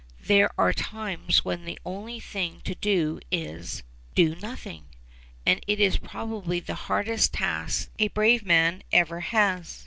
There are times when the only thing to do is do nothing; and it is probably the hardest task a brave man ever has.